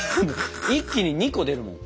一気に２個出るもん。